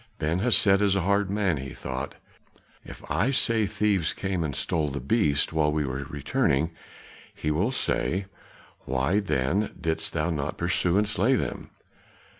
"Ben Hesed is a hard man," he thought. "If I say thieves came and stole the beast while we were returning, he will say, 'Why then didst thou not pursue and slay them?